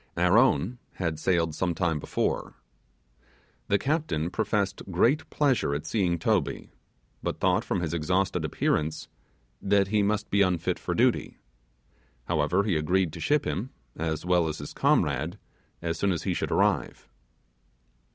Our own had sailed some time before. The captain professed great pleasure at seeing Toby, but thought from his exhausted appearance that he must be unfit for duty. However, he agreed to ship him, as well as his comrade, as soon as he should arrive.